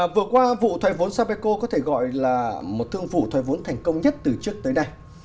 vừa qua vụ thoái vốn sapeco có thể gọi là một thương vụ thoái vốn thành công nhất từ trước tới nay